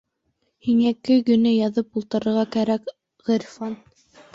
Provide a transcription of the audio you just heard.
Һиңә көй генә яҙып ултырырға кәрәк, Ғирфан!